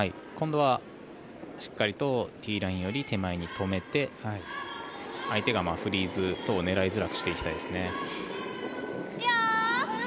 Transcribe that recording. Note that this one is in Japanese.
今度はしっかりとティーラインより手前に止めて相手がフリーズ等を狙いづらくしていきたいですね。